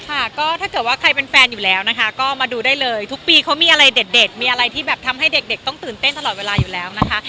ค่ะก็ถ้าเกิดว่าใครเป็นแฟนอยู่แล้วนะคะก็มาดูได้เลยทุกปีเขามีอะไรเด็ดมีอะไรที่แบบทำให้เด็กต้องตื่นเต้นตลอดเวลาอยู่แล้วนะคะ